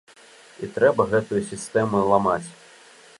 І трэба гэтую сістэму ламаць.